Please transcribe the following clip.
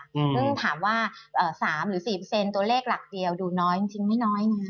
ซึ่งถามว่า๓หรือ๔ตัวเลขหลักเดียวดูน้อยจริงไม่น้อยนะ